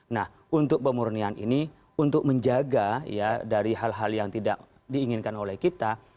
nah untuk pemurnian ini untuk menjaga ya dari hal hal yang tidak diinginkan oleh kita